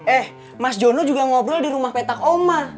eh mas jono juga ngobrol di rumah petak oma